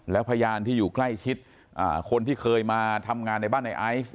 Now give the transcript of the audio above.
แล้วพยานที่อยู่ใกล้ชิดคนที่เคยมาทำงานในบ้านในไอซ์